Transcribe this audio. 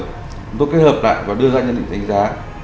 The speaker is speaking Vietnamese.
chúng tôi kết hợp lại và đưa ra những định ánh giá